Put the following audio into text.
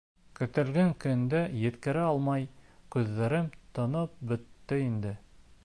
Көтөлгән көндө еткерә алмай, күҙҙәрем тоноп бөттө инде.